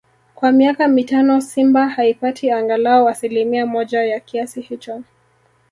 kwa miaka mitano Simba haipati angalau asilimia moja ya kiasi hicho